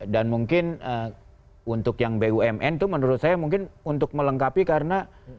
dan mungkin untuk yang bumn itu menurut saya mungkin untuk melengkapi karena